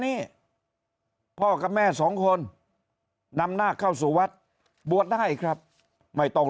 นี้พ่อกับแม่สองคนนำหน้าเข้าสู่วัดบวชได้ครับไม่ต้อง